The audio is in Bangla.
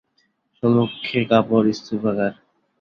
সম্মুখে কাপড় স্তূপাকার।